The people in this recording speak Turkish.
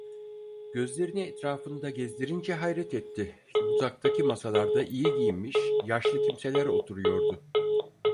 Gözlerini etrafında gezdirince hayret etti: Uzaktaki masalarda iyi giyinmiş yaşlı kimseler oturuyordu.